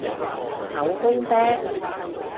手工啤